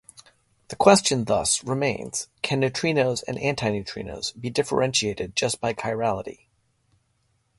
The question, thus, remains: can neutrinos and antineutrinos be differentiated just by chirality?